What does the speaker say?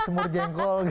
semur jengkol gitu